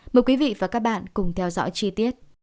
mời quý vị và các bạn cùng theo dõi chi tiết